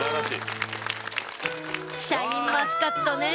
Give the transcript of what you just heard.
シャインマスカットね！